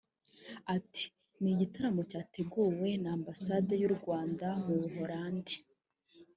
Ati “Ni igitaramo cyateguwe na Ambasade y’u Rwanda mu Buholandi